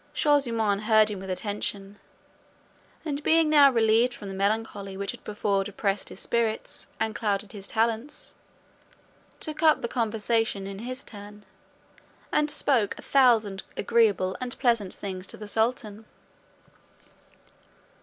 Shaw zummaun heard him with attention; and being now relieved from the melancholy which had before depressed his spirits, and clouded his talents, took up the conversation in his turn, and spoke a thousand agreeable and pleasant things to the sultan.